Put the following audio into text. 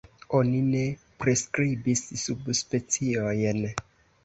Oni ne priskribis subspeciojn.